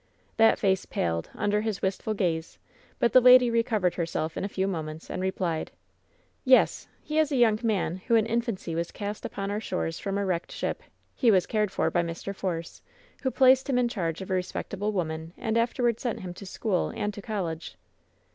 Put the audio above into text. That face paled imder his wistful gaze; but the lady recovered herself in a few moments, and replied: "Yes; he is a young man who in infancy was cast upon our shores from a wrecked ship. He was cared for by Mr. Force, who placed him in charge of a respectable woman and afterward sent him to school and to college."